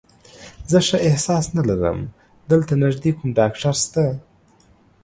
زه ښه احساس نه لرم، دلته نږدې کوم ډاکټر شته؟